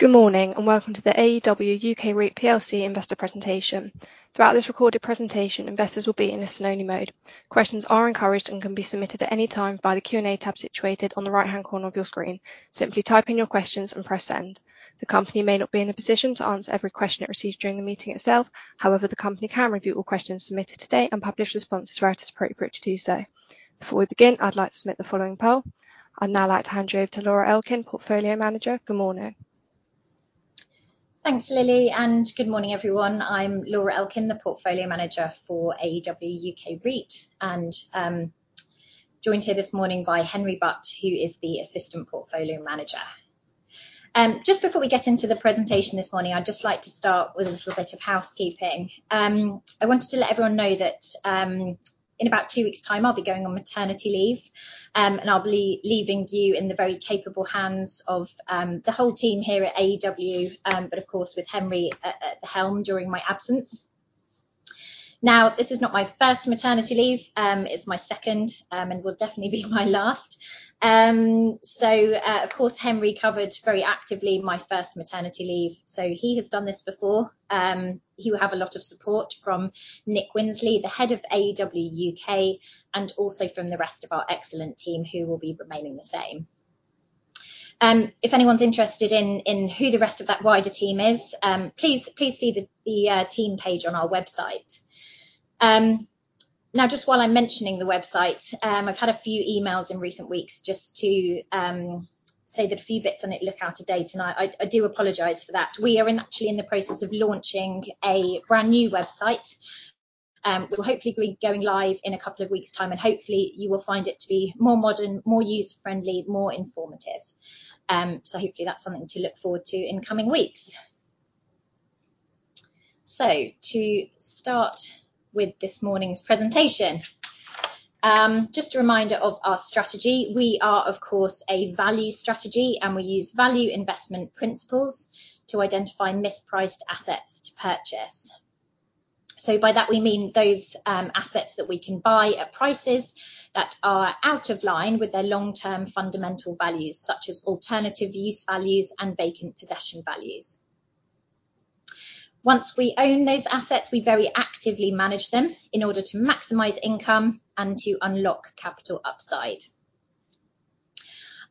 Good morning, and welcome to the AEW UK REIT plc investor presentation. Throughout this recorded presentation, investors will be in a listen-only mode. Questions are encouraged and can be submitted at any time by the Q&A tab situated on the right-hand corner of your screen. Simply type in your questions and press Send. The company may not be in a position to answer every question it receives during the meeting itself. However, the company can review all questions submitted today and publish responses where it is appropriate to do so. Before we begin, I'd like to submit the following poll. I'd now like to hand you over to Laura Elkin, Portfolio Manager. Good morning, Thanks, Lily, and good morning, everyone. I'm Laura Elkin, the portfolio manager for AEW UK REIT, and joined here this morning by Henry Butt, who is the assistant portfolio manager. Just before we get into the presentation this morning, I'd just like to start with a little bit of housekeeping. I wanted to let everyone know that in about two weeks' time, I'll be going on maternity leave, and I'll be leaving you in the very capable hands of the whole team here at AEW, but of course, with Henry at the helm during my absence. Now, this is not my first maternity leave, it's my second, and will definitely be my last. So, of course, Henry covered very actively my first maternity leave, so he has done this before. He will have a lot of support from Nick Winsley, the head of AEW UK, and also from the rest of our excellent team, who will be remaining the same. If anyone's interested in who the rest of that wider team is, please see the team page on our website. Now, just while I'm mentioning the website, I've had a few emails in recent weeks just to say that a few bits on it look out of date, and I do apologize for that. We are actually in the process of launching a brand-new website, which will hopefully be going live in a couple of weeks' time, and hopefully, you will find it to be more modern, more user-friendly, more informative. So hopefully, that's something to look forward to in the coming weeks. To start with this morning's presentation, just a reminder of our strategy. We are, of course, a value strategy, and we use value investment principles to identify mispriced assets to purchase. By that, we mean those, assets that we can buy at prices that are out of line with their long-term fundamental values, such as alternative use values and vacant possession values. Once we own those assets, we very actively manage them in order to maximize income and to unlock capital upside.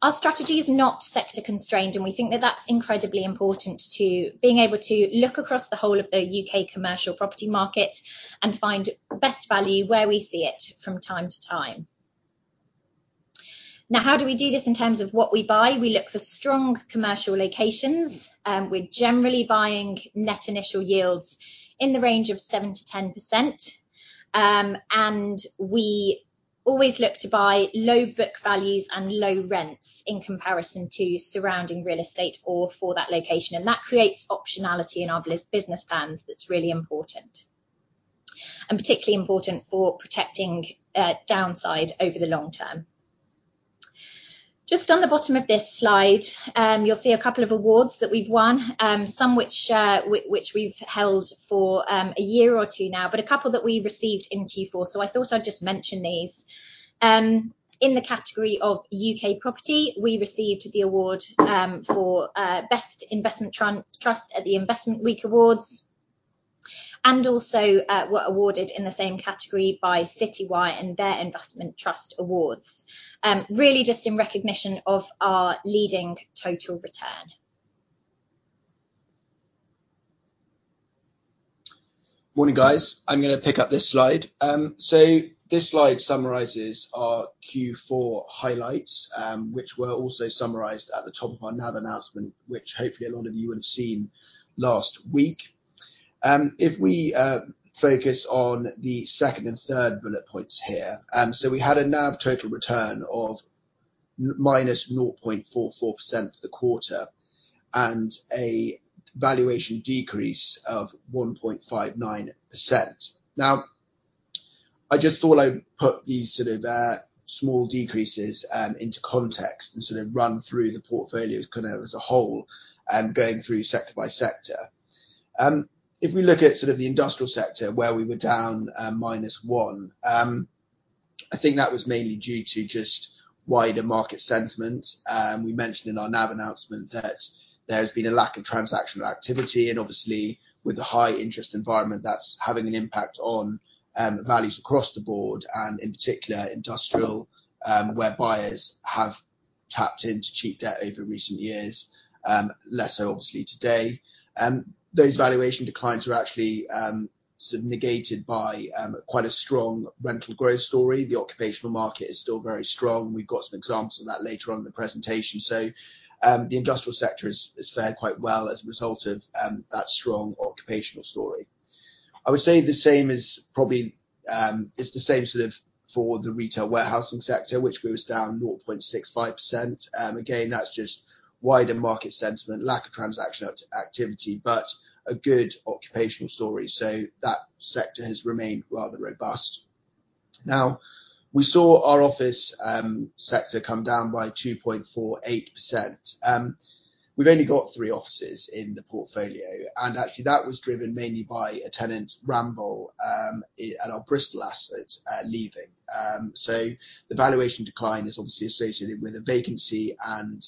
Our strategy is not sector-constrained, and we think that that's incredibly important to being able to look across the whole of the U.K. commercial property market and find best value where we see it from time to time. Now, how do we do this in terms of what we buy? We look for strong commercial locations. We're generally buying net initial yields in the range of 7%-10%, and we always look to buy low book values and low rents in comparison to surrounding real estate or for that location, and that creates optionality in our business plans that's really important, and particularly important for protecting downside over the long term. Just on the bottom of this slide, you'll see a couple of awards that we've won, some which we've held for a year or two now, but a couple that we received in Q4, so I thought I'd just mention these. In the category of U.K. property, we received the award for Best Investment Trust at the Investment Week Awards, and also were awarded in the same category by Citywire and their Investment Trust Awards. Really just in recognition of our leading total return. Morning, guys. I'm gonna pick up this slide. So this slide summarizes our Q4 highlights, which were also summarized at the top of our NAV announcement, which hopefully a lot of you would've seen last week. If we focus on the second and third bullet points here, so we had a NAV total return of minus 0.44% for the quarter, and a valuation decrease of 1.59%. Now, I just thought I'd put these sort of small decreases into context and sort of run through the portfolio kind of as a whole, going through sector by sector. If we look at sort of the industrial sector, where we were down -1%, I think that was mainly due to just wider market sentiment. We mentioned in our NAV announcement that there has been a lack of transactional activity, and obviously, with the high interest environment, that's having an impact on values across the board and in particular, industrial, where buyers have tapped into cheap debt over recent years, less so obviously today. Those valuation declines were actually sort of negated by quite a strong rental growth story. The occupational market is still very strong. We've got some examples of that later on in the presentation. So, the industrial sector has fared quite well as a result of that strong occupational story. I would say the same is probably... It's the same sort of for the retail warehousing sector, which goes down 0.65%. Again, that's just wider market sentiment, lack of transaction activity, but a good occupational story, so that sector has remained rather robust. Now, we saw our office sector come down by 2.48%. We've only got three offices in the portfolio, and actually, that was driven mainly by a tenant, Ramboll, at our Bristol asset, leaving. So the valuation decline is obviously associated with a vacancy and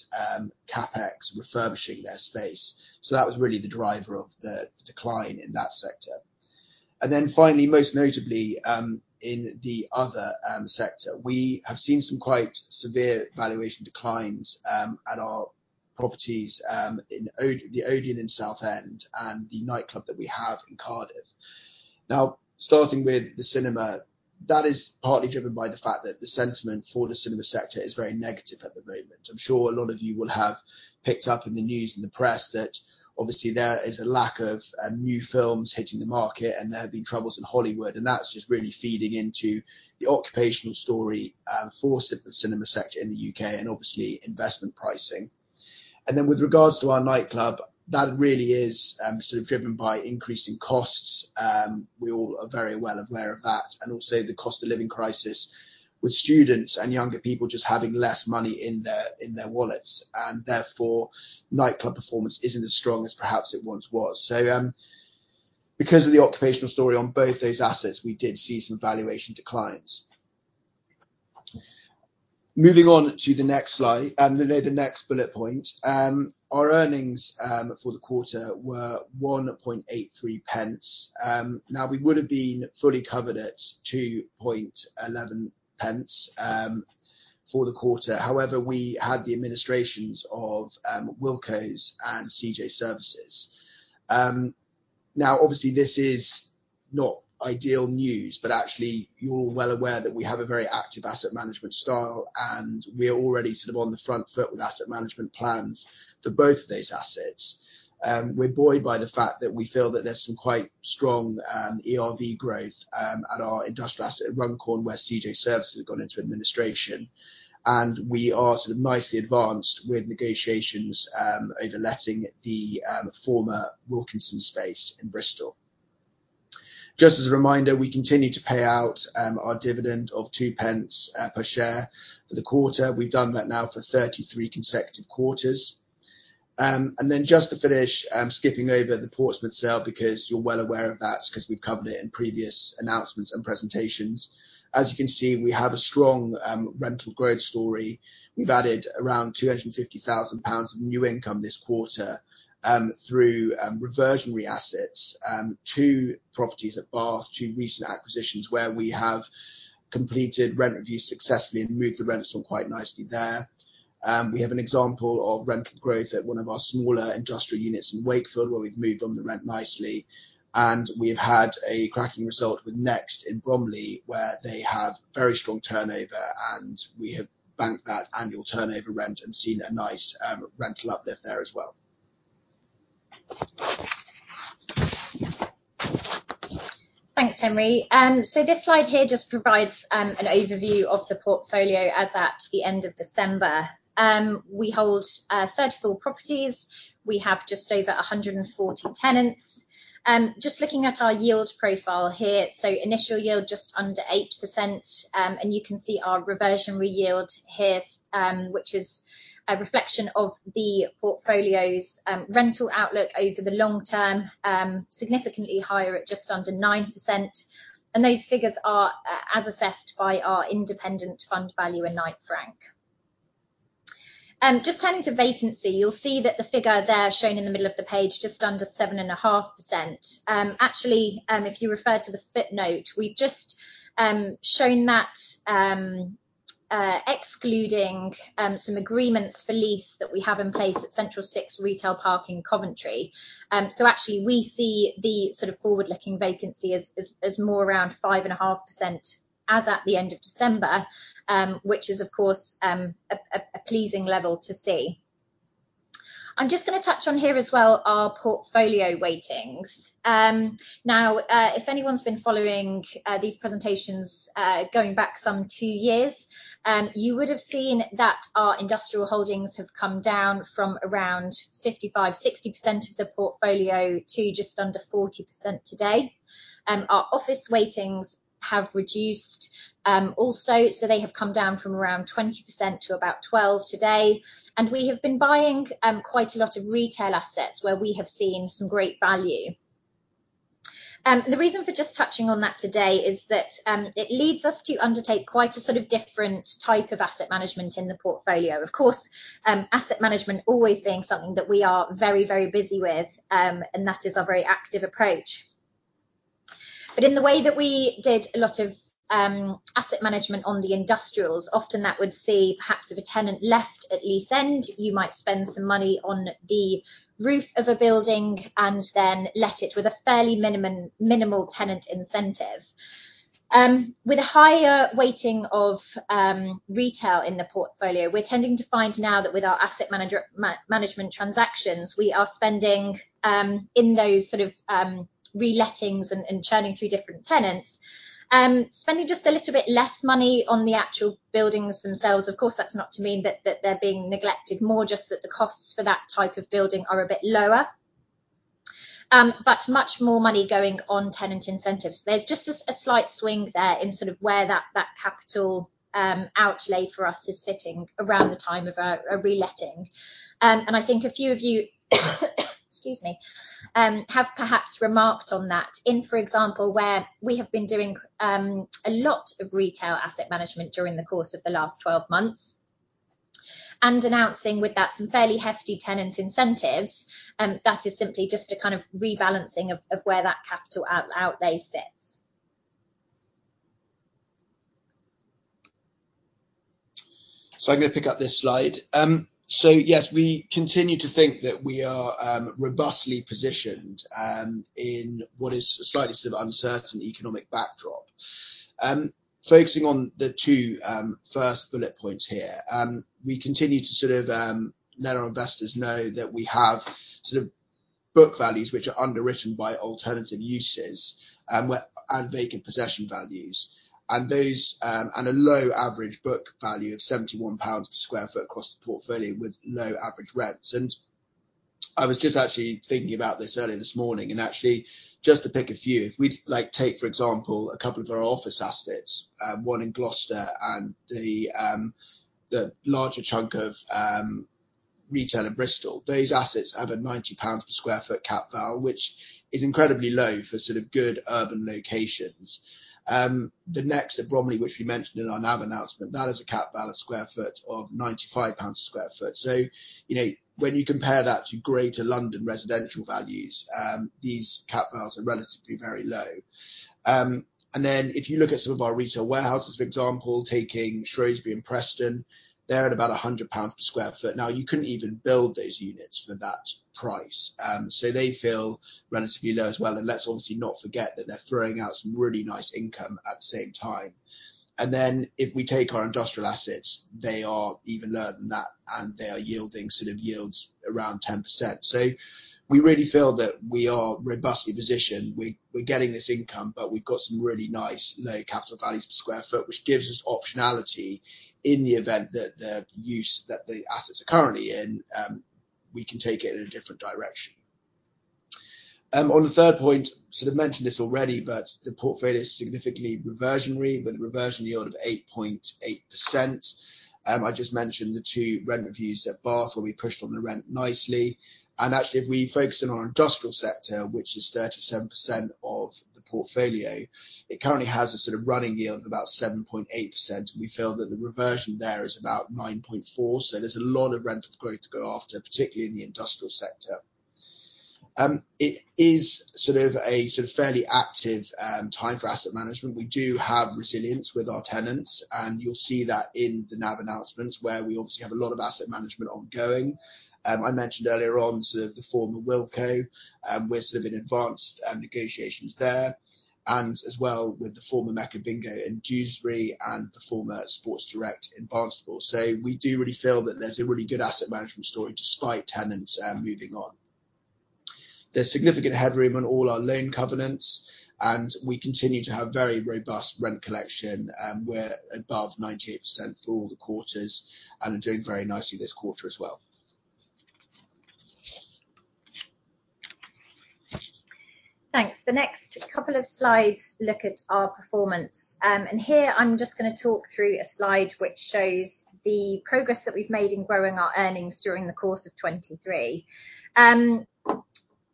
CapEx refurbishing their space, so that was really the driver of the decline in that sector. And then finally, most notably, in the other sector, we have seen some quite severe valuation declines at our properties in the Odeon in Southend and the nightclub that we have in Cardiff. Now, starting with the cinema, that is partly driven by the fact that the sentiment for the cinema sector is very negative at the moment. I'm sure a lot of you will have picked up in the news and the press that obviously there is a lack of new films hitting the market, and there have been troubles in Hollywood, and that's just really feeding into the occupational story for the cinema sector in the U.K. and obviously investment pricing. Then, with regards to our nightclub, that really is sort of driven by increasing costs. We all are very well aware of that, and also the cost of living crisis, with students and younger people just having less money in their, in their wallets, and therefore, nightclub performance isn't as strong as perhaps it once was. Because of the occupational story on both those assets, we did see some valuation declines. Moving on to the next slide, the next bullet point. Our earnings for the quarter were 0.0183. Now, we would've been fully covered at GBP 0.0211 for the quarter. However, we had the administrations of Wilko's and CJ Services. Now, obviously, this is not ideal news, but actually, you're well aware that we have a very active asset management style, and we are already sort of on the front foot with asset management plans for both of those assets. We're buoyed by the fact that we feel that there's some quite strong ERV growth at our industrial asset at Runcorn, where CJ Services have gone into administration, and we are sort of nicely advanced with negotiations over letting the former Wilko space in Bristol. Just as a reminder, we continue to pay out our dividend of 0.02 per share for the quarter. We've done that now for 33 consecutive quarters. And then just to finish, I'm skipping over the Portsmouth sale because you're well aware of that, 'cause we've covered it in previous announcements and presentations. As you can see, we have a strong rental growth story. We've added around 250,000 pounds of new income this quarter, through reversionary assets, two properties at Bath, two recent acquisitions where we have completed rent reviews successfully and moved the rents on quite nicely there. We have an example of rental growth at one of our smaller industrial units in Wakefield, where we've moved on the rent nicely, and we've had a cracking result with Next in Bromley, where they have very strong turnover, and we have banked that annual turnover rent and seen a nice, rental uplift there as well. Thanks, Henry. So this slide here just provides an overview of the portfolio as at the end of December. We hold 34 properties. We have just over 140 tenants. Just looking at our yield profile here, so initial yield, just under 8%. And you can see our reversionary yield here, which is a reflection of the portfolio's rental outlook over the long term, significantly higher at just under 9%, and those figures are as assessed by our independent fund valuer, Knight Frank. Just turning to vacancy, you'll see that the figure there, shown in the middle of the page, just under 7.5%. Actually, if you refer to the footnote, we've just shown that, excluding some agreements for lease that we have in place at Central Six Retail Park in Coventry. So actually we see the sort of forward-looking vacancy as more around 5.5%, as at the end of December, which is, of course, a pleasing level to see. I'm just gonna touch on here as well our portfolio weightings. Now, if anyone's been following these presentations, going back some two years, you would've seen that our industrial holdings have come down from around 55%-60% of the portfolio to just under 40% today. Our office weightings have reduced, also, so they have come down from around 20% to about 12% today, and we have been buying quite a lot of retail assets where we have seen some great value. The reason for just touching on that today is that it leads us to undertake quite a sort of different type of asset management in the portfolio. Of course, asset management always being something that we are very, very busy with, and that is our very active approach. But in the way that we did a lot of asset management on the industrials, often that would see perhaps if a tenant left at lease end, you might spend some money on the roof of a building and then let it with a fairly minimum, minimal tenant incentive. With a higher weighting of retail in the portfolio, we're tending to find now that with our asset management transactions, we are spending in those sort of relettings and churning through different tenants, spending just a little bit less money on the actual buildings themselves. Of course, that's not to mean that they're being neglected, more just that the costs for that type of building are a bit lower, but much more money going on tenant incentives. There's just a slight swing there in sort of where that capital outlay for us is sitting around the time of a reletting. And I think a few of you, excuse me, have perhaps remarked on that in, for example, where we have been doing a lot of retail asset management during the course of the last 12 months... and announcing with that some fairly hefty tenants incentives, that is simply just a kind of rebalancing of where that capital outlay sits. I'm gonna pick up this slide. Yes, we continue to think that we are robustly positioned in what is a slightly sort of uncertain economic backdrop. Focusing on the two first bullet points here. We continue to sort of let our investors know that we have sort of book values which are underwritten by alternative uses where and vacant possession values, and those and a low average book value of 71 pounds per sq ft across the portfolio with low average rents. And I was just actually thinking about this earlier this morning, and actually just to pick a few, if we'd like, take, for example, a couple of our office assets, one in Gloucester and the, the larger chunk of, retail in Bristol, those assets have a 90 pounds per sq ft cap val, which is incredibly low for sort of good urban locations. The next at Bromley, which we mentioned in our NAV announcement, that is a cap val at sq ft of 95 pounds sq ft. So, you know, when you compare that to Greater London residential values, these cap vals are relatively very low. And then if you look at some of our retail warehouses, for example, taking Shrewsbury and Preston, they're at about 100 pounds per sq ft. Now, you couldn't even build those units for that price, so they feel relatively low as well. And let's obviously not forget that they're throwing out some really nice income at the same time. And then, if we take our industrial assets, they are even lower than that, and they are yielding sort of yields around 10%. So we really feel that we are robustly positioned. We're, we're getting this income, but we've got some really nice low capital values per sq ft, which gives us optionality in the event that the use that the assets are currently in, we can take it in a different direction. On the third point, sort of mentioned this already, but the portfolio is significantly reversionary, with a reversion yield of 8.8%. I just mentioned the two rent reviews at Bath, where we pushed on the rent nicely. Actually, if we focus in on our industrial sector, which is 37% of the portfolio, it currently has a sort of running yield of about 7.8%. We feel that the reversion there is about 9.4%, so there's a lot of rental growth to go after, particularly in the industrial sector. It is sort of fairly active time for asset management. We do have resilience with our tenants, and you'll see that in the NAV announcements, where we obviously have a lot of asset management ongoing. I mentioned earlier on sort of the former Wilko, we're sort of in advanced negotiations there, and as well with the former Mecca Bingo in Dewsbury and the former Sports Direct in Barnstaple. We do really feel that there's a really good asset management story despite tenants moving on. There's significant headroom on all our loan covenants, and we continue to have very robust rent collection. We're above 98% for all the quarters and are doing very nicely this quarter as well. Thanks. The next couple of slides look at our performance. And here I'm just gonna talk through a slide which shows the progress that we've made in growing our earnings during the course of 2023.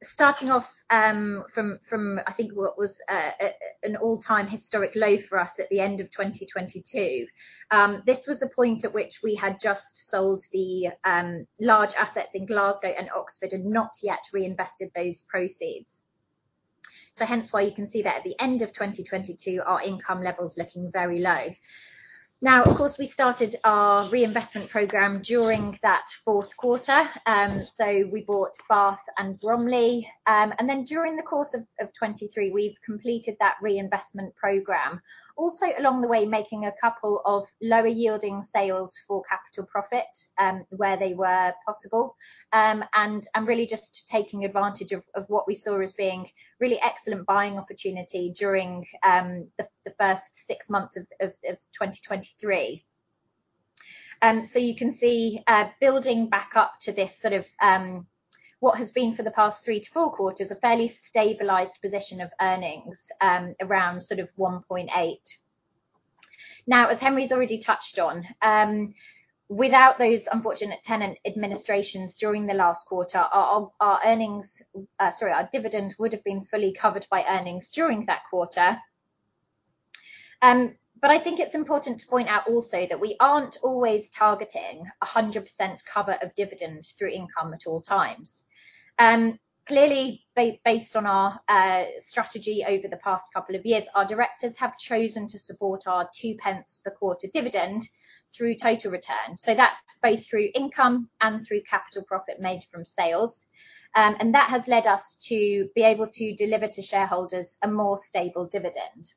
Starting off from I think what was an all-time historic low for us at the end of 2022. This was the point at which we had just sold the large assets in Glasgow and Oxford and not yet reinvested those proceeds. So hence why you can see that at the end of 2022, our income level's looking very low. Now, of course, we started our reinvestment program during that fourth quarter, so we bought Bath and Bromley. And then during the course of 2023, we've completed that reinvestment program. Also, along the way, making a couple of lower-yielding sales for capital profit, where they were possible, and really just taking advantage of what we saw as being really excellent buying opportunity during the first six months of 2023. So you can see, building back up to this sort of what has been for the past three to four quarters, a fairly stabilized position of earnings, around sort of 1.8. Now, as Henry's already touched on, without those unfortunate tenant administrations during the last quarter, our earnings, sorry, our dividend would have been fully covered by earnings during that quarter. But I think it's important to point out also that we aren't always targeting 100% cover of dividend through income at all times. Clearly, based on our strategy over the past couple of years, our directors have chosen to support our 2 pence per quarter dividend through total return. So that's both through income and through capital profit made from sales. That has led us to be able to deliver to shareholders a more stable dividend.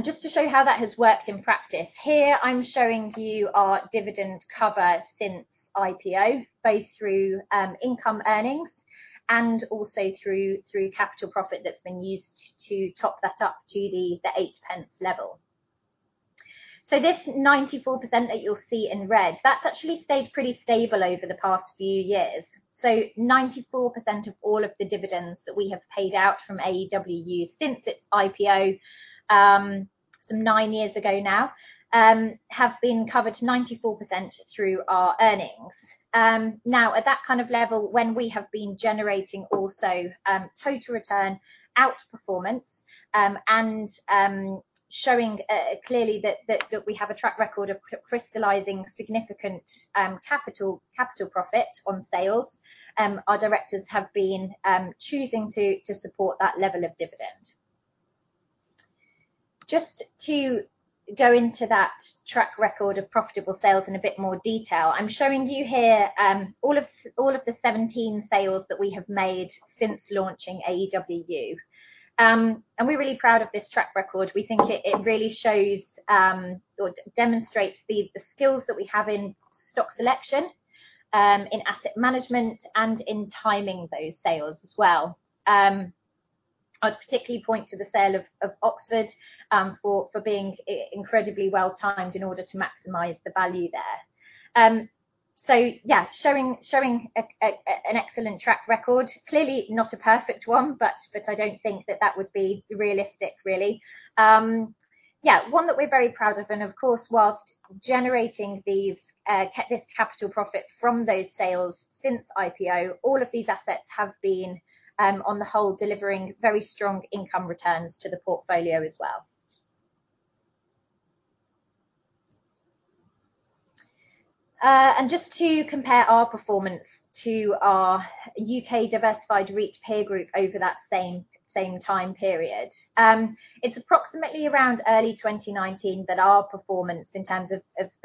Just to show you how that has worked in practice, here I'm showing you our dividend cover since IPO, both through income earnings and also through capital profit that's been used to top that up to the 8 pence level. So this 94% that you'll see in red, that's actually stayed pretty stable over the past few years. So 94% of all of the dividends that we have paid out from AEWU since its IPO, some nine years ago now, have been covered 94% through our earnings. Now, at that kind of level, when we have been generating also, total return outperformance, and showing clearly that we have a track record of crystallizing significant capital profit on sales, our directors have been choosing to support that level of dividend. Just to go into that track record of profitable sales in a bit more detail, I'm showing you here, all of the 17 sales that we have made since launching AEWU. And we're really proud of this track record. We think it really shows or demonstrates the skills that we have in stock selection in asset management, and in timing those sales as well. I'd particularly point to the sale of Oxford for being incredibly well-timed in order to maximize the value there. So yeah, showing an excellent track record. Clearly, not a perfect one, but I don't think that would be realistic, really. Yeah, one that we're very proud of, and of course, whilst generating this capital profit from those sales since IPO, all of these assets have been, on the whole, delivering very strong income returns to the portfolio as well. And just to compare our performance to our U.K. Diversified REIT peer group over that same time period. It's approximately around early 2019 that our performance in terms of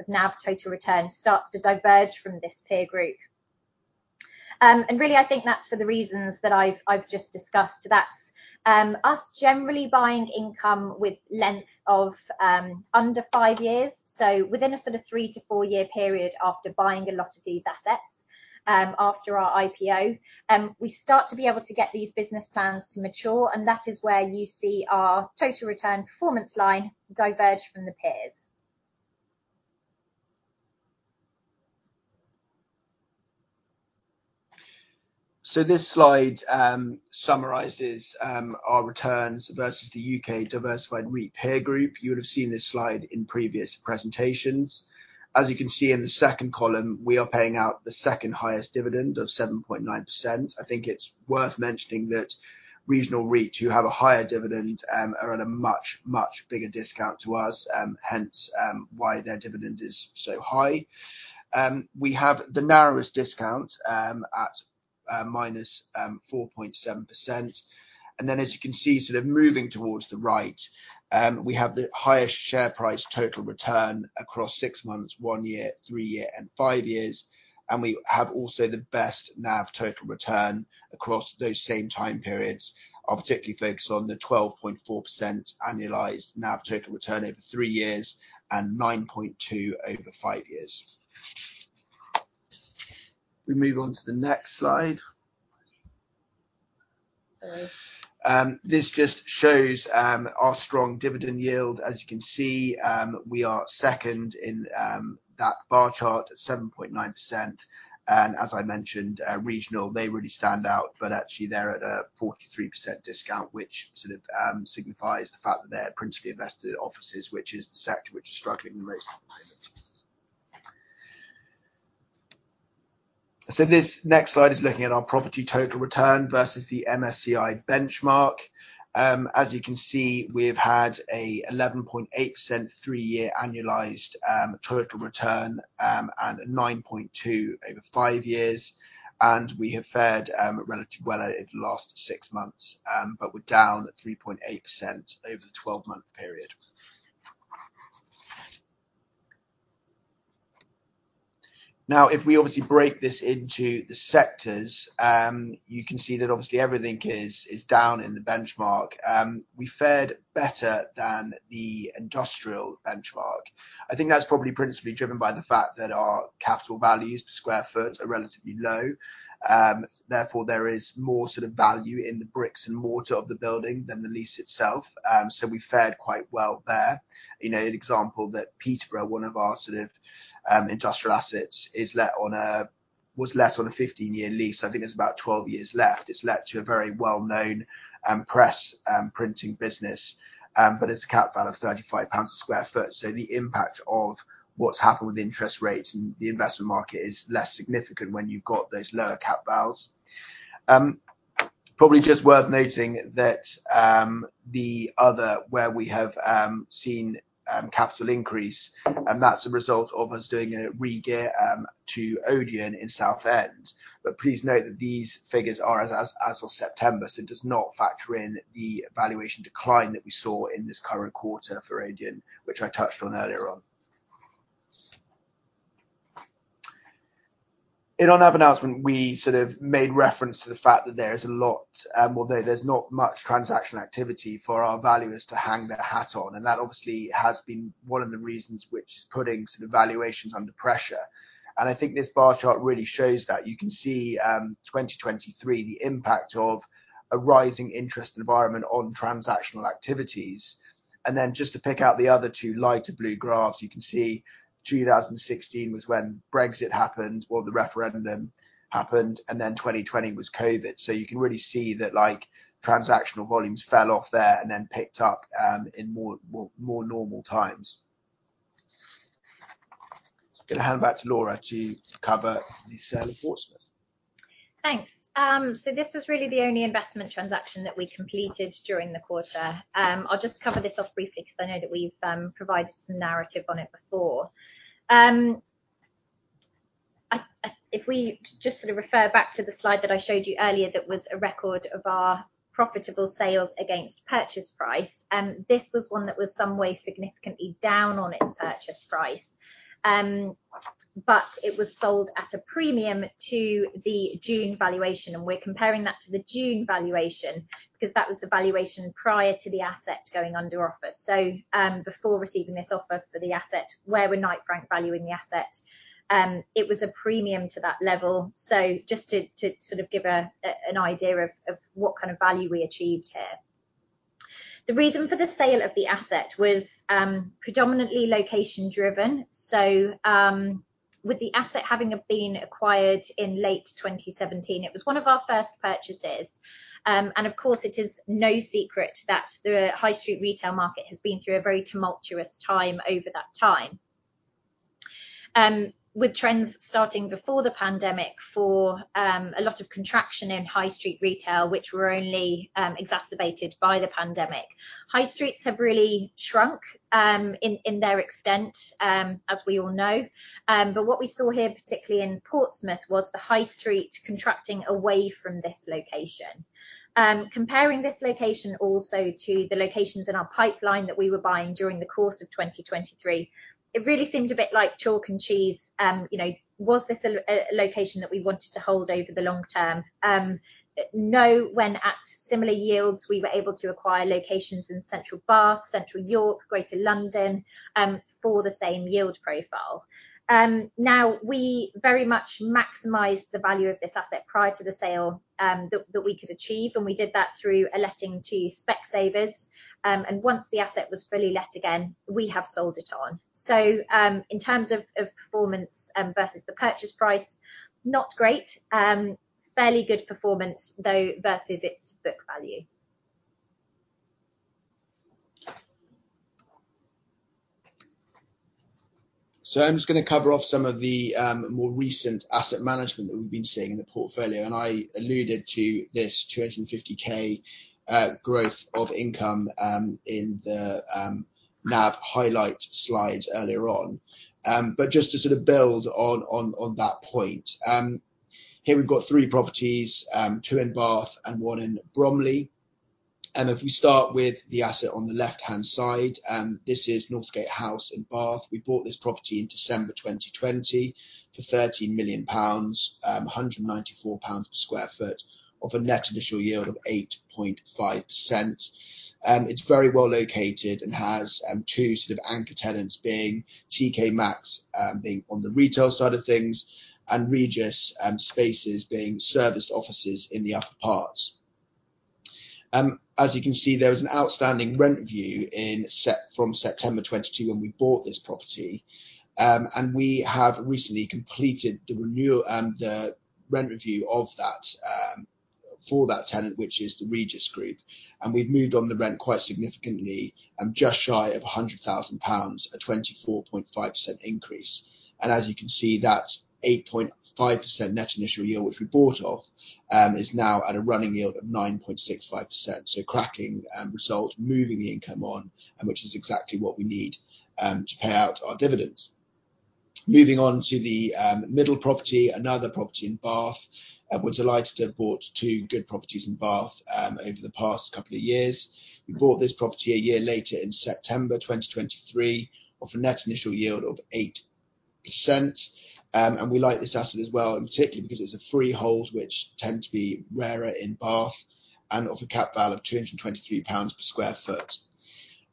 NAV total return starts to diverge from this peer group. And really, I think that's for the reasons that I've just discussed. That's us generally buying income with length of under five years. So within a sort of three- to four-year period after buying a lot of these assets, after our IPO, we start to be able to get these business plans to mature, and that is where you see our total return performance line diverge from the peers. This slide summarizes our returns versus the U.K. Diversified REIT peer group. You would have seen this slide in previous presentations. As you can see in the second column, we are paying out the second highest dividend of 7.9%. I think it's worth mentioning that Regional REIT, who have a higher dividend, are at a much, much bigger discount to us, hence why their dividend is so high. We have the narrowest discount at minus 4.7%. And then, as you can see, sort of moving towards the right, we have the highest share price total return across six months, one-year, three-year, and five-year, and we have also the best NAV total return across those same time periods. I'll particularly focus on the 12.4% annualized NAV total return over three years and 9.2 over five years. We move on to the next slide. Sorry. This just shows our strong dividend yield. As you can see, we are second in that bar chart at 7.9%. And as I mentioned, Regional, they really stand out, but actually, they're at a 43% discount, which sort of signifies the fact that they're principally invested in offices, which is the sector which is struggling the most at the moment. So this next slide is looking at our property total return versus the MSCI benchmark. As you can see, we've had a 11.8% three-year annualized total return, and a 9.2% over five years, and we have fared relative well over the last 6 months, but we're down at 3.8% over the 12-month period. Now, if we obviously break this into the sectors, you can see that obviously everything is down in the benchmark. We fared better than the industrial benchmark. I think that's probably principally driven by the fact that our capital values per sq ft are relatively low. Therefore, there is more sort of value in the bricks and mortar of the building than the lease itself, so we fared quite well there. You know, an example that Peterborough, one of our sort of industrial assets, was let on a 15-year lease. I think there's about 12 years left. It's let to a very well-known press printing business, but it's a cap value of 35 pounds a sq ft. So the impact of what's happened with interest rates in the investment market is less significant when you've got those lower cap values. Probably just worth noting that the other where we have seen capital increase, and that's a result of us doing a regear to Odeon in Southend. But please note that these figures are as of September, so it does not factor in the valuation decline that we saw in this current quarter for Odeon, which I touched on earlier on. In our NAV announcement, we sort of made reference to the fact that there is a lot, although there's not much transactional activity for our valuers to hang their hat on, and that obviously has been one of the reasons which is putting sort of valuations under pressure. And I think this bar chart really shows that. You can see, 2023, the impact of a rising interest environment on transactional activities. And then just to pick out the other two lighter blue graphs, you can see 2016 was when Brexit happened, well, the referendum happened, and then 2020 was COVID. So you can really see that, like, transactional volumes fell off there and then picked up, in more normal times. I'm gonna hand back to Laura to cover the sale of Portsmouth. Thanks. So this was really the only investment transaction that we completed during the quarter. I'll just cover this off briefly because I know that we've provided some narrative on it before. If we just sort of refer back to the slide that I showed you earlier, that was a record of our profitable sales against purchase price, this was one that was some way significantly down on its purchase price. But it was sold at a premium to the June valuation, and we're comparing that to the June valuation because that was the valuation prior to the asset going under offer. So, before receiving this offer for the asset, where were Knight Frank valuing the asset? It was a premium to that level. So just to sort of give an idea of what kind of value we achieved here. The reason for the sale of the asset was predominantly location-driven. So, with the asset having been acquired in late 2017, it was one of our first purchases. And of course, it is no secret that the high street retail market has been through a very tumultuous time over that time. With trends starting before the pandemic for a lot of contraction in high street retail, which were only exacerbated by the pandemic. High streets have really shrunk in their extent as we all know. But what we saw here, particularly in Portsmouth, was the high street contracting away from this location. Comparing this location also to the locations in our pipeline that we were buying during the course of 2023, it really seemed a bit like chalk and cheese. You know, was this a location that we wanted to hold over the long term? No, when at similar yields, we were able to acquire locations in Central Bath, Central York, Greater London, for the same yield profile. Now, we very much maximized the value of this asset prior to the sale, that we could achieve, and we did that through a letting to Specsavers. And once the asset was fully let again, we have sold it on. So, in terms of performance, versus the purchase price, not great. Fairly good performance, though, versus its book value. So I'm just gonna cover off some of the more recent asset management that we've been seeing in the portfolio, and I alluded to this 250K growth of income in the NAV highlight slide earlier on. But just to sort of build on that point, here we've got three properties: two in Bath and one in Bromley. And if we start with the asset on the left-hand side, this is Northgate House in Bath. We bought this property in December 2020 for 13 million pounds, 194 pounds per sq ft, of a net initial yield of 8.5%. It's very well located and has, two sort of anchor tenants, being TK Maxx, being on the retail side of things, and Regus and Spaces being serviced offices in the upper parts. As you can see, there was an outstanding rent review from September 2022 when we bought this property. And we have recently completed the renewal, the rent review of that, for that tenant, which is the Regus Group, and we've moved on the rent quite significantly, just shy of 100,000 pounds, a 24.5% increase. And as you can see, that 8.5% net initial yield, which we bought off, is now at a running yield of 9.65%. So cracking result, moving the income on, and which is exactly what we need to pay out our dividends. Moving on to the middle property, another property in Bath. We're delighted to have bought two good properties in Bath over the past couple of years. We bought this property a year later in September 2023, of a net initial yield of 8%. And we like this asset as well, and particularly because it's a freehold, which tend to be rarer in Bath, and of a cap val of 223 pounds per sq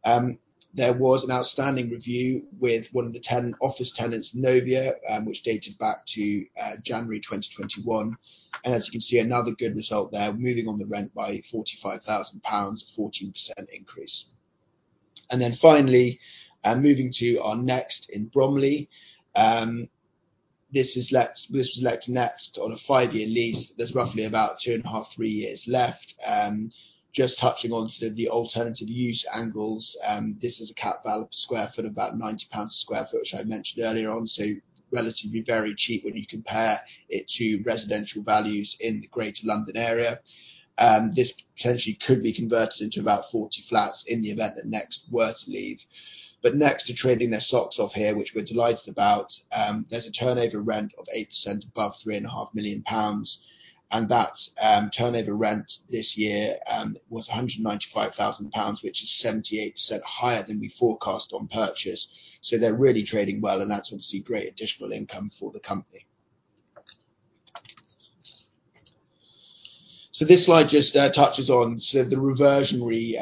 ft. There was an outstanding review with one of the tenant, office tenants, Novia, which dated back to January 2021. And as you can see, another good result there, moving on the rent by 45,000 pounds, a 14% increase. Then finally, moving to our Next in Bromley. This is let, this was let to Next on a five-year lease. There's roughly about two half-three years left. Just touching on to the alternative use angles, this is a cap val square foot, about 90 pounds/sq ft, which I mentioned earlier on, so relatively very cheap when you compare it to residential values in the Greater London area. This potentially could be converted into about 40 flats in the event that Next were to leave. But Next are trading their socks off here, which we're delighted about. There's a turnover rent of 8% above 3.5 million pounds, and that turnover rent this year was 195,000 pounds, which is 78% higher than we forecast on purchase. So they're really trading well, and that's obviously great additional income for the company. So this slide just touches on sort of the reversionary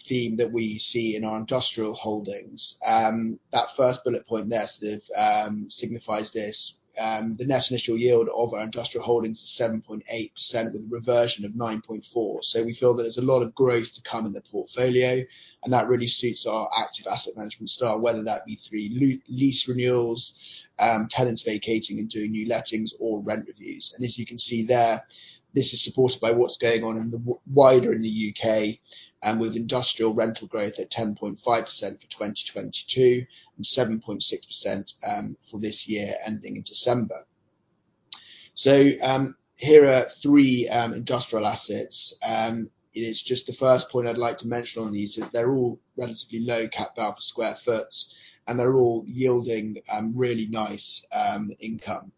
theme that we see in our industrial holdings. That first bullet point there sort of signifies this. The net initial yield of our industrial holdings is 7.8%, with a reversion of 9.4%. So we feel that there's a lot of growth to come in the portfolio, and that really suits our active asset management style, whether that be through lease renewals, tenants vacating and doing new lettings, or rent reviews. And as you can see there, this is supported by what's going on in the wider in the U.K., with industrial rental growth at 10.5% for 2022 and 7.6%, for this year, ending in December.... So, here are 3 industrial assets. And it's just the first point I'd like to mention on these is they're all relatively low cap value per sq ft, and they're all yielding really nice income.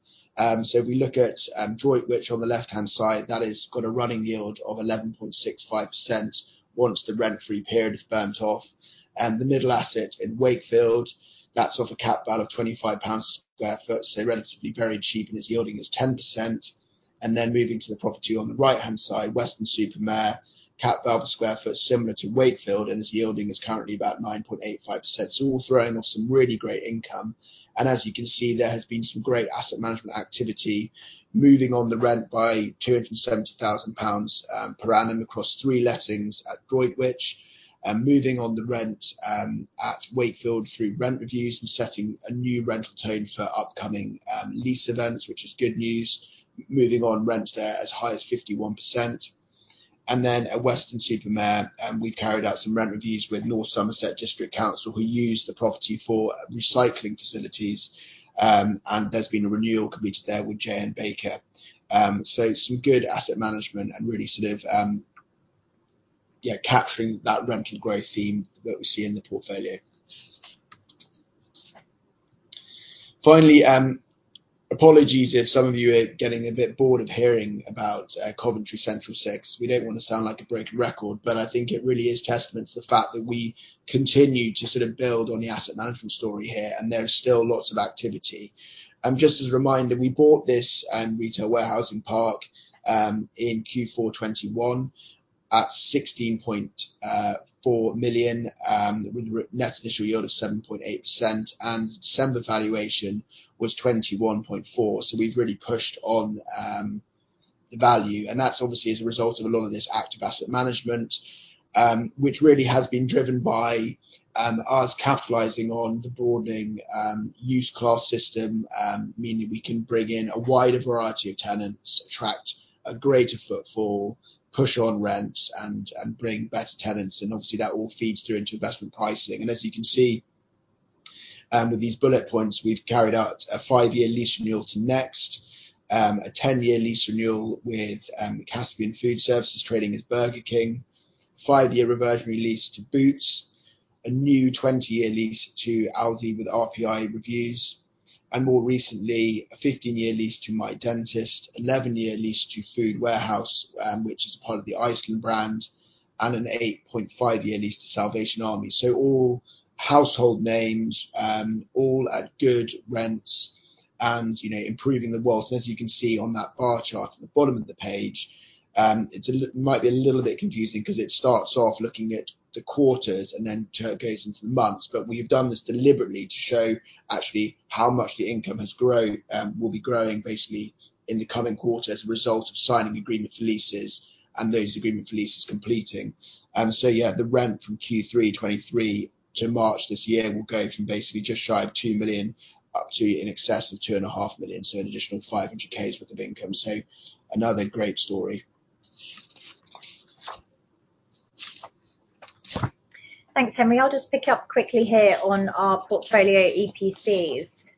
So if we look at Droitwich on the left-hand side, that has got a running yield of 11.65% once the rent-free period is burnt off. The middle asset in Wakefield, that's off a cap value of 25 pounds sq ft, so relatively very cheap, and its yielding is 10%. And then moving to the property on the right-hand side, Weston-super-Mare, cap value per sq ft, similar to Wakefield, and its yielding is currently about 9.85%. So all throwing off some really great income, and as you can see, there has been some great asset management activity, moving on the rent by 270,000 pounds per annum across three lettings at Droitwich, and moving on the rent at Wakefield through rent reviews and setting a new rental tone for upcoming lease events, which is good news. Moving on rents there as high as 51%. And then at Weston-super-Mare, we've carried out some rent reviews with North Somerset District Council, who use the property for recycling facilities, and there's been a renewal committed there with JN Baker. So some good asset management and really sort of, yeah, capturing that rental growth theme that we see in the portfolio. Finally, apologies if some of you are getting a bit bored of hearing about, Coventry Central Six. We don't want to sound like a broken record, but I think it really is testament to the fact that we continue to sort of build on the asset management story here, and there is still lots of activity. And just as a reminder, we bought this, retail warehousing park, in Q4 2021 at 16.4 million, with a net initial yield of 7.8%, and December valuation was 21.4 million. So we've really pushed on the value, and that's obviously as a result of a lot of this active asset management, which really has been driven by us capitalizing on the broadening use class system, meaning we can bring in a wider variety of tenants, attract a greater footfall, push on rents, and bring better tenants, and obviously that all feeds through into investment pricing. And as you can see with these bullet points, we've carried out a five-year lease renewal to Next, a 10-year lease renewal with Caspian Food Services, trading as Burger King, five-year reversion lease to Boots, a new 20-year lease to Aldi with RPI reviews, and more recently, a 15-year lease to Mydentist, 11-year lease to Food Warehouse, which is a part of the Iceland brand, and an 8.5-year lease to Salvation Army. So all household names, all at good rents and, you know, improving the world. As you can see on that bar chart at the bottom of the page, it's a little bit confusing 'cause it starts off looking at the quarters and then goes into the months. But we've done this deliberately to show actually how much the income has grown, will be growing, basically, in the coming quarter as a result of signing agreement for leases and those agreement for leases completing. So yeah, the rent from Q3 2023 to March this year will go from basically just shy of 2 million up to in excess of 2.5 million, so an additional 500,000 worth of income. So another great story. Thanks, Henry. I'll just pick up quickly here on our portfolio EPCs.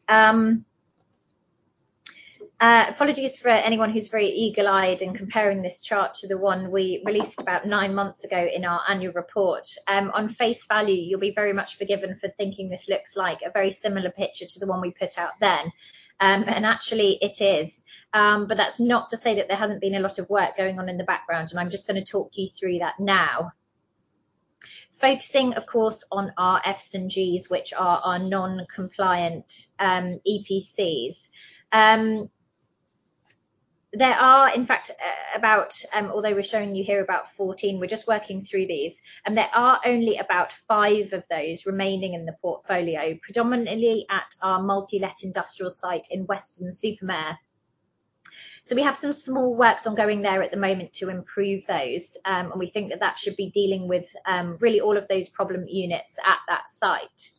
Apologies for anyone who's very eagle-eyed in comparing this chart to the one we released about nine months ago in our annual report. On face value, you'll be very much forgiven for thinking this looks like a very similar picture to the one we put out then. And actually, it is. But that's not to say that there hasn't been a lot of work going on in the background, and I'm just gonna talk you through that now. Focusing, of course, on our Fs and Gs, which are our non-compliant EPCs. There are, in fact, although we're showing you here about 14, we're just working through these, and there are only about five of those remaining in the portfolio, predominantly at our multi-let industrial site in Weston-super-Mare. So we have some small works ongoing there at the moment to improve those, and we think that that should be dealing with really all of those problem units at that site.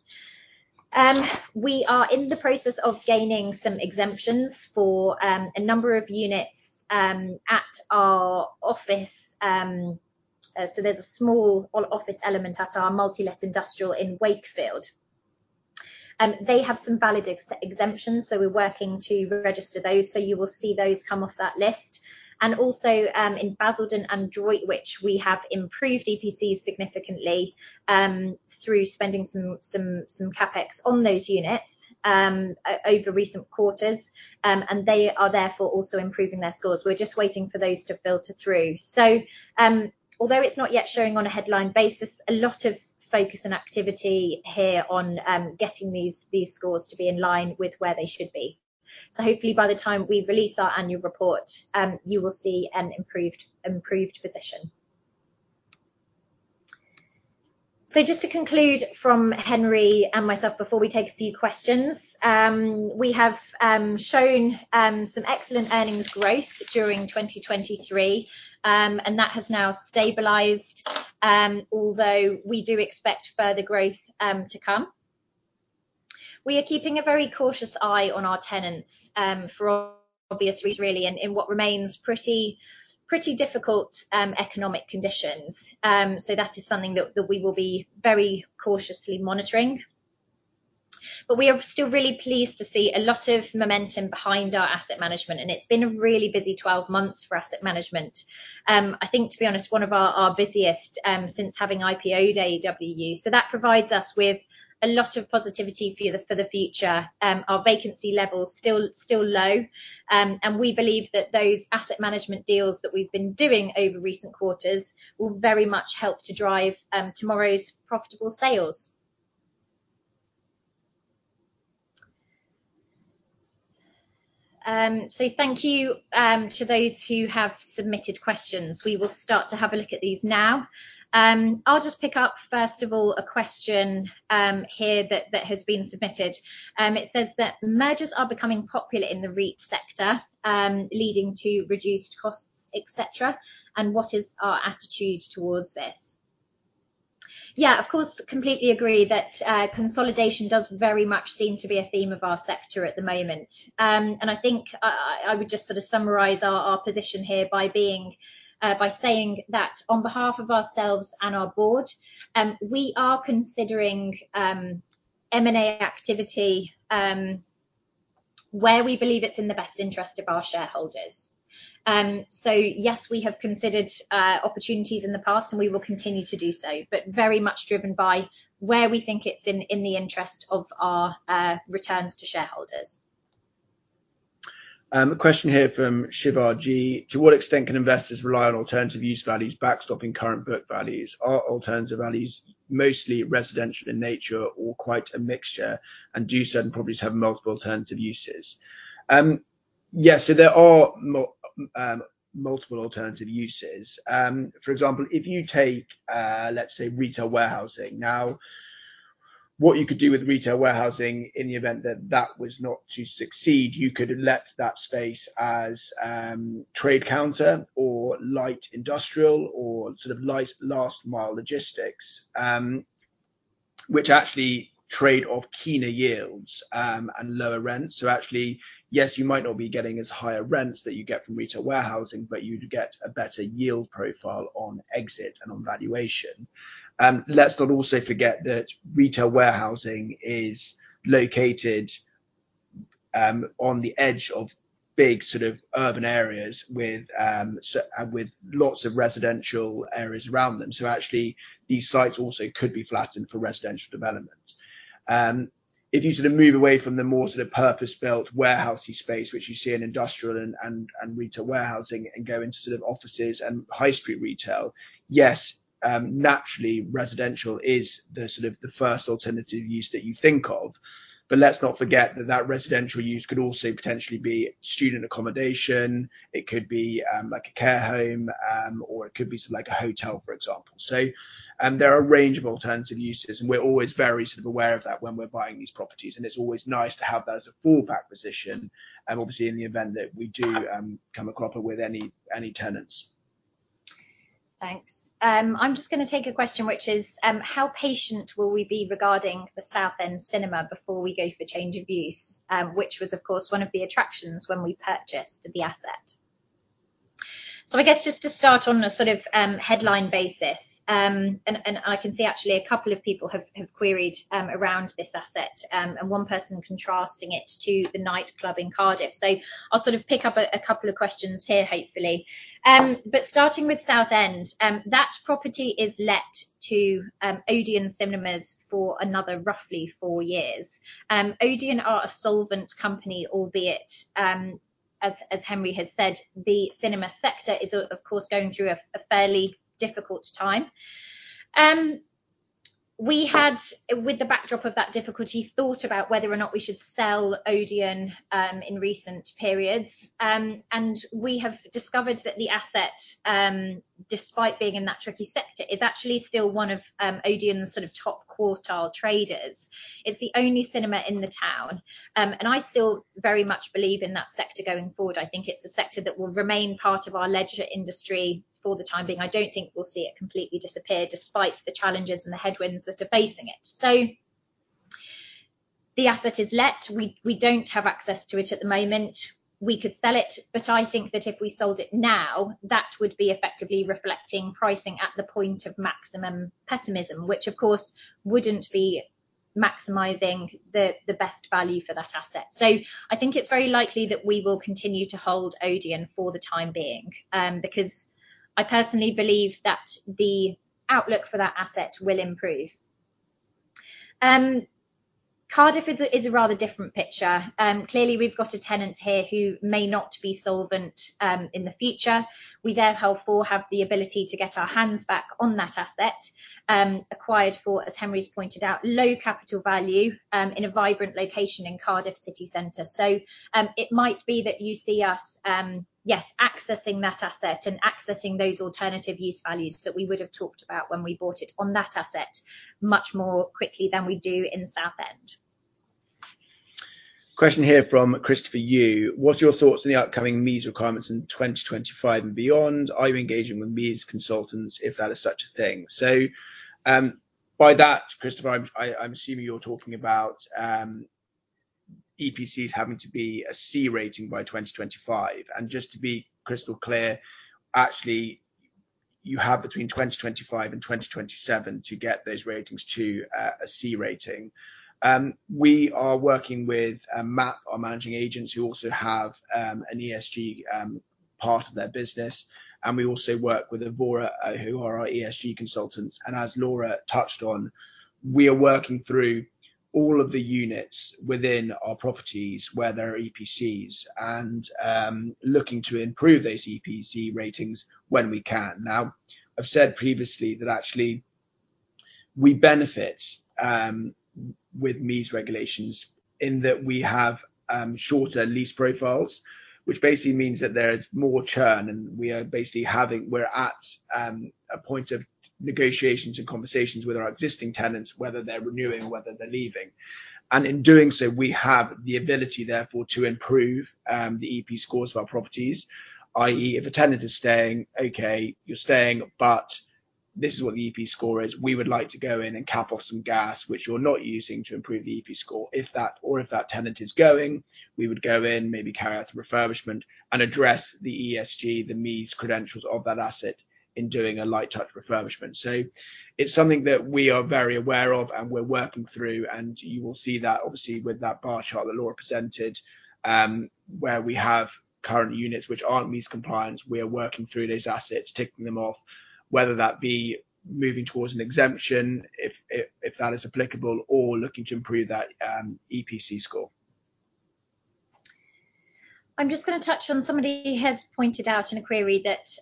We are in the process of gaining some exemptions for a number of units at our office. So there's a small office element at our multi-let industrial in Wakefield. They have some valid exemptions, so we're working to register those. So you will see those come off that list. And also, in Basildon and Droitwich, we have improved EPCs significantly through spending some CapEx on those units over recent quarters, and they are therefore also improving their scores. We're just waiting for those to filter through. So, although it's not yet showing on a headline basis, a lot of focus and activity here on getting these scores to be in line with where they should be. So hopefully, by the time we release our annual report, you will see an improved position. So just to conclude from Henry and myself before we take a few questions, we have shown some excellent earnings growth during 2023, and that has now stabilized, although we do expect further growth to come. We are keeping a very cautious eye on our tenants, for obvious reasons, really, in what remains pretty difficult economic conditions. So that is something that we will be very cautiously monitoring.... But we are still really pleased to see a lot of momentum behind our asset management, and it's been a really busy 12 months for asset management. I think, to be honest, one of our busiest since having IPO'd AEW UK. So that provides us with a lot of positivity for the future. Our vacancy levels still low. And we believe that those asset management deals that we've been doing over recent quarters will very much help to drive tomorrow's profitable sales. So thank you to those who have submitted questions. We will start to have a look at these now. I'll just pick up, first of all, a question here that has been submitted. It says that mergers are becoming popular in the REIT sector, leading to reduced costs, et cetera, and what is our attitude towards this? Yeah, of course, completely agree that consolidation does very much seem to be a theme of our sector at the moment. I think I would just sort of summarize our position here by saying that on behalf of ourselves and our board, we are considering M&A activity where we believe it's in the best interest of our shareholders. So yes, we have considered opportunities in the past, and we will continue to do so, but very much driven by where we think it's in the interest of our returns to shareholders. A question here from Shivaji: To what extent can investors rely on alternative use values backstopping current book values? Are alternative values mostly residential in nature or quite a mixture, and do certain properties have multiple alternative uses? Yes, so there are multiple alternative uses. For example, if you take, let's say, retail warehousing. Now, what you could do with retail warehousing in the event that that was not to succeed, you could let that space as trade counter or light industrial or sort of light last mile logistics, which actually trade off keener yields, and lower rents. So actually, yes, you might not be getting as higher rents that you get from retail warehousing, but you'd get a better yield profile on exit and on valuation. Let's not also forget that retail warehousing is located on the edge of big sort of urban areas with lots of residential areas around them. So actually, these sites also could be flattened for residential development. If you sort of move away from the more sort of purpose-built warehouse-y space, which you see in industrial and retail warehousing, and go into sort of offices and high street retail, yes, naturally, residential is the sort of the first alternative use that you think of, but let's not forget that residential use could also potentially be student accommodation, it could be like a care home, or it could be sort of like a hotel, for example. So, there are a range of alternative uses, and we're always very sort of aware of that when we're buying these properties, and it's always nice to have that as a fallback position, obviously in the event that we do, come a cropper with any, any tenants. Thanks. I'm just gonna take a question which is: How patient will we be regarding the Southend Cinema before we go for change of use? Which was, of course, one of the attractions when we purchased the asset. So I guess just to start on a sort of headline basis, and I can see actually a couple of people have queried around this asset, and one person contrasting it to the nightclub in Cardiff. So I'll sort of pick up a couple of questions here, hopefully. But starting with Southend, that property is let to Odeon Cinemas for another roughly four years. Odeon are a solvent company, albeit as Henry has said, the cinema sector is, of course, going through a fairly difficult time. We had, with the backdrop of that difficulty, thought about whether or not we should sell Odeon in recent periods. And we have discovered that the asset, despite being in that tricky sector, is actually still one of Odeon's sort of top-quartile traders. It's the only cinema in the town. And I still very much believe in that sector going forward. I think it's a sector that will remain part of our leisure industry for the time being. I don't think we'll see it completely disappear, despite the challenges and the headwinds that are facing it. So the asset is let. We don't have access to it at the moment. We could sell it, but I think that if we sold it now, that would be effectively reflecting pricing at the point of maximum pessimism, which, of course, wouldn't be maximizing the best value for that asset. So I think it's very likely that we will continue to hold Odeon for the time being, because I personally believe that the outlook for that asset will improve. Cardiff is a rather different picture. Clearly, we've got a tenant here who may not be solvent in the future. We therefore have the ability to get our hands back on that asset, acquired for, as Henry's pointed out, low capital value, in a vibrant location in Cardiff City Centre. It might be that you see us, yes, accessing that asset and accessing those alternative use values that we would have talked about when we bought it on that asset much more quickly than we do in Southend. Question here from Christopher Yu: What are your thoughts on the upcoming MEES requirements in 2025 and beyond? Are you engaging with MEES consultants, if that is such a thing? So, by that, Christopher, I'm assuming you're talking about EPCs having to be a C-rating by 2025. And just to be crystal clear, actually, you have between 2025 and 2027 to get those ratings to a C-rating. We are working with MAPP, our managing agents, who also have an ESG part of their business, and we also work with Evora, who are our ESG consultants. And as Laura touched on, we are working through all of the units within our properties where there are EPCs and looking to improve those EPC ratings when we can. Now, I've said previously that actually we benefit with MEES regulations in that we have shorter lease profiles, which basically means that there is more churn, and we are basically we're at a point of negotiations and conversations with our existing tenants, whether they're renewing or whether they're leaving. And in doing so, we have the ability, therefore, to improve the EPC scores of our properties, i.e., if a tenant is staying, "Okay, you're staying, but this is what the EPC score is. We would like to go in and cap off some gas, which you're not using, to improve the EPC score." If that or if that tenant is going, we would go in, maybe carry out some refurbishment and address the ESG, the MEES credentials of that asset in doing a light touch refurbishment. So it's something that we are very aware of, and we're working through, and you will see that obviously with that bar chart that Laura presented, where we have current units which aren't MEES compliant. We are working through those assets, ticking them off, whether that be moving towards an exemption, if that is applicable, or looking to improve that EPC score. I'm just gonna touch on somebody who has pointed out in a query that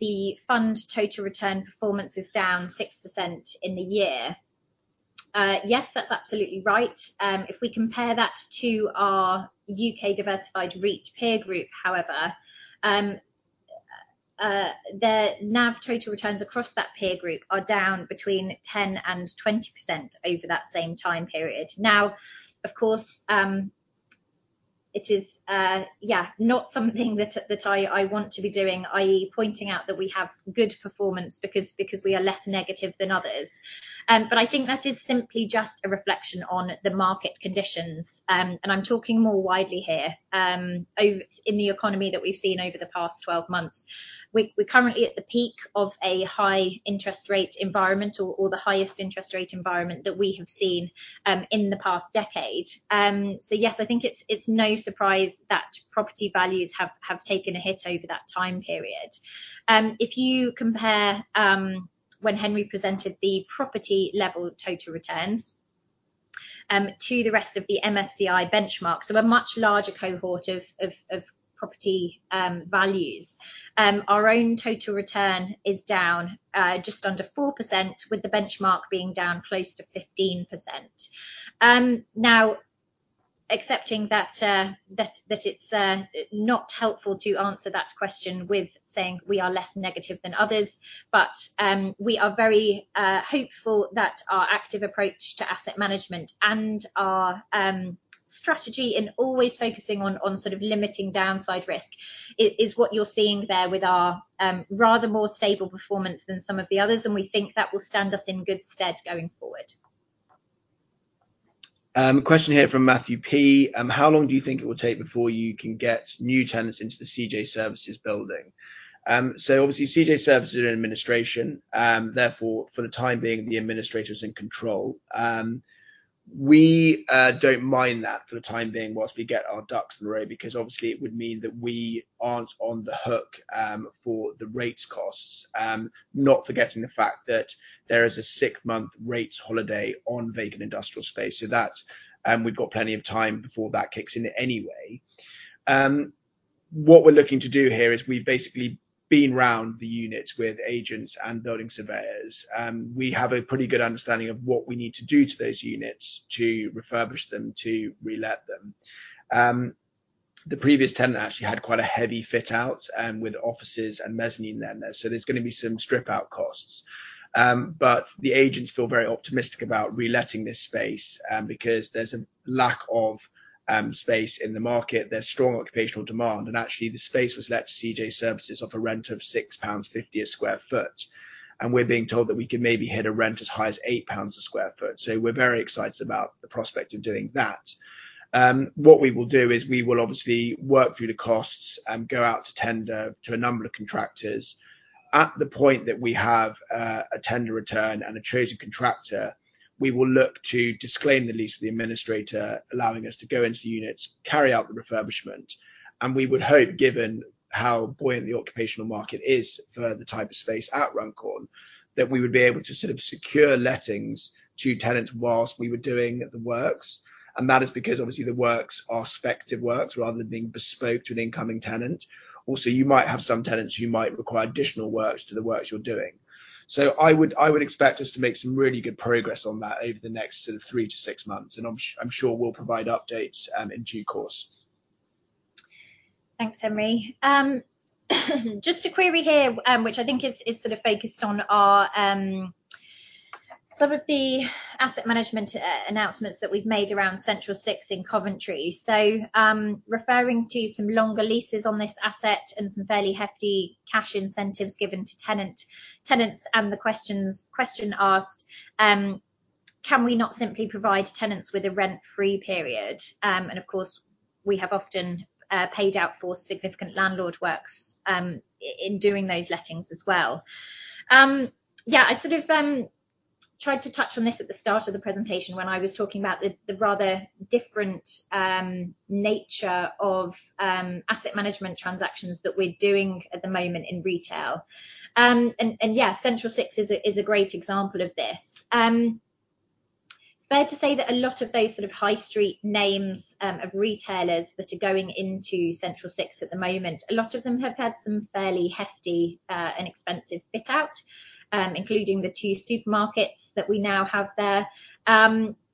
the fund total return performance is down 6% in the year. Yes, that's absolutely right. If we compare that to our U.K. diversified REIT peer group, however, the NAV total returns across that peer group are down between 10% and 20% over that same time period. Now, of course, it is, yeah, not something that I want to be doing, i.e., pointing out that we have good performance because we are less negative than others. But I think that is simply just a reflection on the market conditions. And I'm talking more widely here, over in the economy that we've seen over the past 12 months. We're currently at the peak of a high interest rate environment or the highest interest rate environment that we have seen in the past decade. So yes, I think it's no surprise that property values have taken a hit over that time period. If you compare when Henry presented the property level total returns to the rest of the MSCI benchmark, so a much larger cohort of property values, our own total return is down just under 4%, with the benchmark being down close to 15%. Now, accepting that it's not helpful to answer that question with saying we are less negative than others, but we are very hopeful that our active approach to asset management and our strategy in always focusing on sort of limiting downside risk is what you're seeing there with our rather more stable performance than some of the others, and we think that will stand us in good stead going forward. A question here from Matthew P: How long do you think it will take before you can get new tenants into the CJ Services building? So obviously, CJ Services are in administration, therefore, for the time being, the administrator's in control. We don't mind that for the time being whilst we get our ducks in a row, because obviously it would mean that we aren't on the hook for the rates costs. Not forgetting the fact that there is a six-month rates holiday on vacant industrial space, so that's... We've got plenty of time before that kicks in anyway. What we're looking to do here is we've basically been round the units with agents and building surveyors. We have a pretty good understanding of what we need to do to those units to refurbish them, to relet them. The previous tenant actually had quite a heavy fit-out, with offices and mezzanine down there, so there's gonna be some strip-out costs. But the agents feel very optimistic about reletting this space, because there's a lack of space in the market. There's strong occupational demand, and actually, the space was let to CJ Services off a rent of 6.50 pounds a sq ft, and we're being told that we can maybe hit a rent as high as 8 pounds a sq ft. So we're very excited about the prospect of doing that. What we will do is we will obviously work through the costs and go out to tender to a number of contractors. At the point that we have a tender return and a chosen contractor, we will look to disclaim the lease with the administrator, allowing us to go into the units, carry out the refurbishment. And we would hope, given how buoyant the occupational market is for the type of space at Runcorn, that we would be able to sort of secure lettings to tenants while we were doing the works. And that is because, obviously, the works are speculative works rather than being bespoke to an incoming tenant. Also, you might have some tenants who might require additional works to the works you're doing. So I would, I would expect us to make some really good progress on that over the next sort of three-six months, and I'm sure we'll provide updates in due course. Thanks, Henry. Just a query here, which I think is sort of focused on our some of the asset management announcements that we've made around Central Six in Coventry. So, referring to some longer leases on this asset and some fairly hefty cash incentives given to tenants, and the question asked—Can we not simply provide tenants with a rent-free period? And of course, we have often paid out for significant landlord works, in doing those lettings as well. Yeah, I sort of tried to touch on this at the start of the presentation when I was talking about the rather different nature of asset management transactions that we're doing at the moment in retail. And yeah, Central Six is a great example of this. Fair to say that a lot of those sort of high street names, of retailers that are going into Central Six at the moment, a lot of them have had some fairly hefty, and expensive fit-out, including the two supermarkets that we now have there.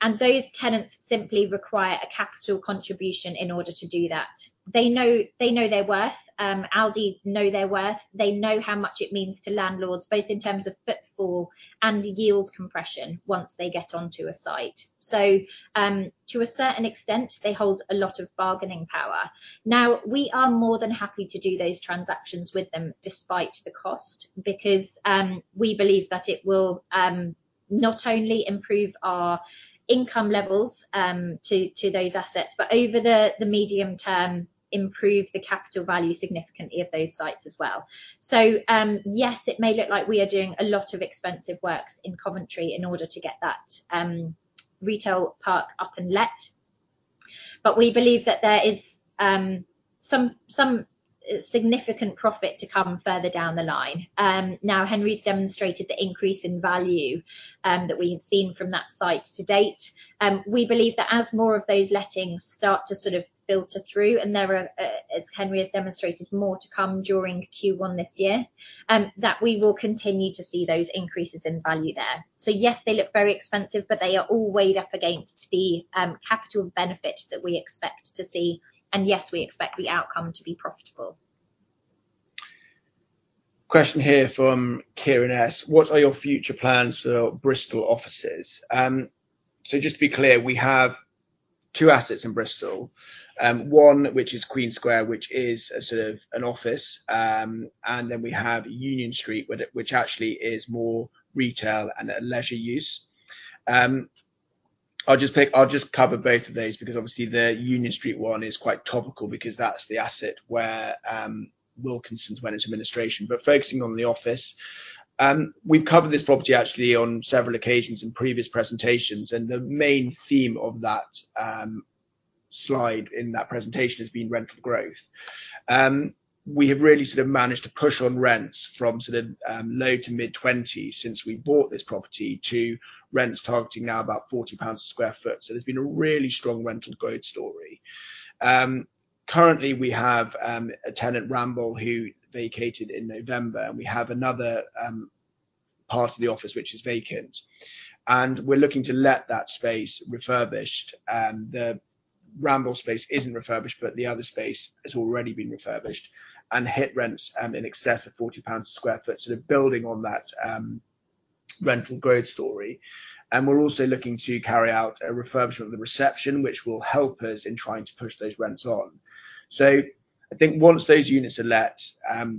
And those tenants simply require a capital contribution in order to do that. They know, they know their worth, Aldi know their worth, they know how much it means to landlords, both in terms of footfall and yield compression once they get onto a site. So, to a certain extent, they hold a lot of bargaining power. Now, we are more than happy to do those transactions with them despite the cost, because we believe that it will not only improve our income levels to those assets, but over the medium term, improve the capital value significantly of those sites as well. So, yes, it may look like we are doing a lot of expensive works in Coventry in order to get that retail park up and let, but we believe that there is some significant profit to come further down the line. Now, Henry's demonstrated the increase in value that we have seen from that site to date. We believe that as more of those lettings start to sort of filter through, and there are, as Henry has demonstrated, more to come during Q1 this year, that we will continue to see those increases in value there. So yes, they look very expensive, but they are all weighed up against the capital benefit that we expect to see, and yes, we expect the outcome to be profitable. Question here from Kieran S: What are your future plans for Bristol offices? So just to be clear, we have two assets in Bristol, one which is Queen Square, which is a sort of an office, and then we have Union Street, which actually is more retail and a leisure use. I'll just pick, I'll just cover both of those, because obviously the Union Street one is quite topical because that's the asset where Wilkinsons went into administration. But focusing on the office, we've covered this property actually on several occasions in previous presentations, and the main theme of that slide in that presentation has been rental growth. We have really sort of managed to push on rents from sort of low to mid-20s since we bought this property, to rents targeting now about 40 pounds a sq ft. So there's been a really strong rental growth story. Currently, we have a tenant, Ramboll, who vacated in November, and we have another part of the office which is vacant, and we're looking to let that space refurbished. The Ramboll space isn't refurbished, but the other space has already been refurbished and hit rents in excess of 40 pounds sq ft, so they're building on that rental growth story. And we're also looking to carry out a refurbishment of the reception, which will help us in trying to push those rents on. So I think once those units are let,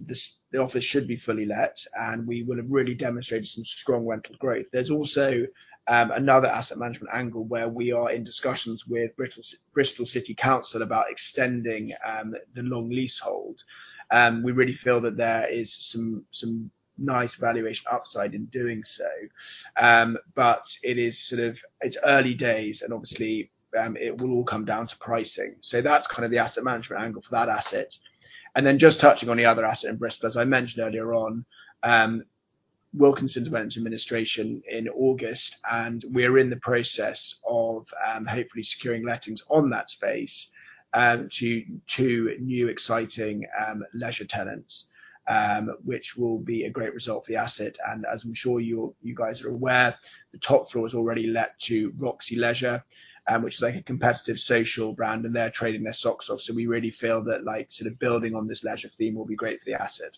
this, the office should be fully let, and we will have really demonstrated some strong rental growth. There's also another asset management angle where we are in discussions with Bristol City Council about extending the long leasehold. We really feel that there is some nice valuation upside in doing so. But it is sort of, it's early days, and obviously, it will all come down to pricing. So that's kind of the asset management angle for that asset. And then, just touching on the other asset in Bristol, as I mentioned earlier on, Wilkinsons went into administration in August, and we are in the process of, hopefully securing lettings on that space, to new, exciting, leisure tenants, which will be a great result for the asset. And as I'm sure you guys are aware, the top floor is already let to Roxy Leisure, which is like a competitive social brand, and they're trading their socks off. So we really feel that, like, sort of building on this leisure theme will be great for the asset.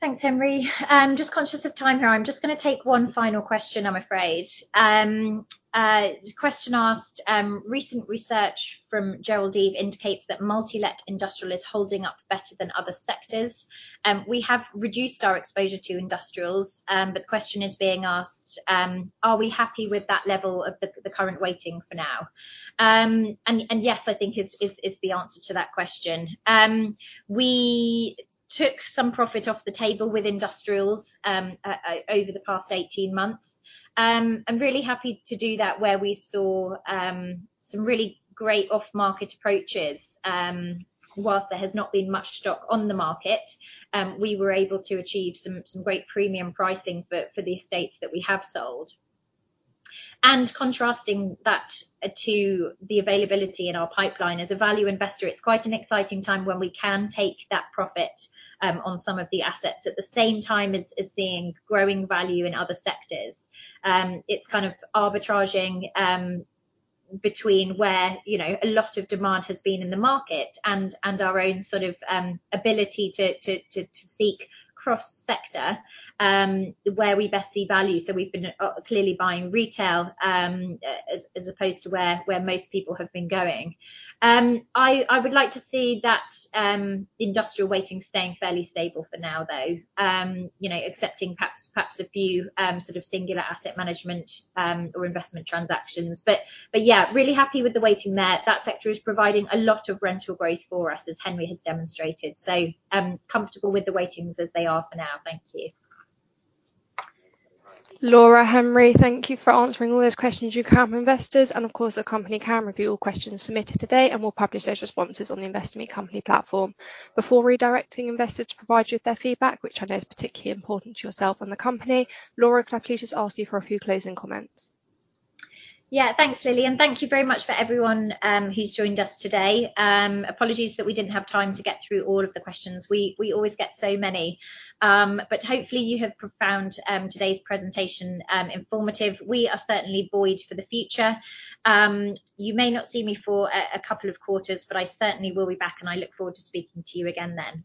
Thanks, Henry. Just conscious of time here, I'm just gonna take one final question, I'm afraid. The question asked: Recent research from Gerald Eve indicates that multi-let industrial is holding up better than other sectors. We have reduced our exposure to industrials, the question is being asked, are we happy with that level of the current weighting for now? And yes, I think is the answer to that question. We took some profit off the table with industrials over the past 18 months. I'm really happy to do that, where we saw some really great off-market approaches. Whilst there has not been much stock on the market, we were able to achieve some great premium pricing for the estates that we have sold. Contrasting that to the availability in our pipeline, as a value investor, it's quite an exciting time when we can take that profit on some of the assets, at the same time as seeing growing value in other sectors. It's kind of arbitraging between where, you know, a lot of demand has been in the market, and our own sort of ability to seek cross-sector where we best see value. So we've been clearly buying retail, as opposed to where most people have been going. I would like to see that industrial weighting staying fairly stable for now, though, you know, excepting perhaps a few sort of singular asset management or investment transactions. But yeah, really happy with the weighting there. That sector is providing a lot of rental growth for us, as Henry has demonstrated, so, comfortable with the weightings as they are for now. Thank you. Laura, Henry, thank you for answering all those questions from our investors, and of course, the company can review all questions submitted today, and we'll publish those responses on the Investor Meet Company platform. Before redirecting investors to provide you with their feedback, which I know is particularly important to yourself and the company, Laura, can I please just ask you for a few closing comments? Yeah. Thanks, Lily, and thank you very much for everyone who's joined us today. Apologies that we didn't have time to get through all of the questions. We always get so many. But hopefully, you have found today's presentation informative. We are certainly buoyed for the future. You may not see me for a couple of quarters, but I certainly will be back, and I look forward to speaking to you again then.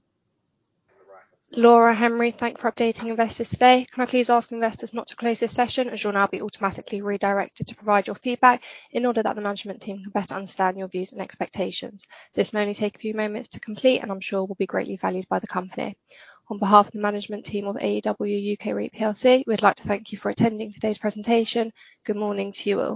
Laura, Henry, thank you for updating investors today. Can I please ask investors not to close this session, as you'll now be automatically redirected to provide your feedback in order that the management team can better understand your views and expectations. This may only take a few moments to complete, and I'm sure will be greatly valued by the company. On behalf of the management team of AEW UK REIT plc, we'd like to thank you for attending today's presentation. Good morning to you all.